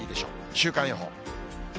週間予報。